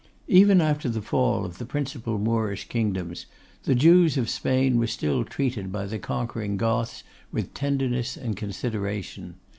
Even after the fall of the principal Moorish kingdoms, the Jews of Spain were still treated by the conquering Goths with tenderness and consideration.